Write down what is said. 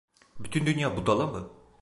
Bütün dünya budala mı?